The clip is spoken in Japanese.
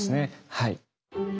はい。